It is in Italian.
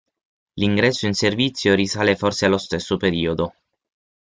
L'ingresso in servizio risale forse allo stesso periodo.